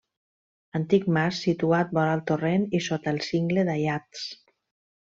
Antic mas situat vora el torrent i sota el cingle d'Aiats.